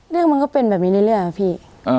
เรื่องมันก็เป็นแบบนี้เรื่อยอะพี่